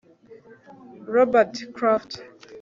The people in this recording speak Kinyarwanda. robert kraft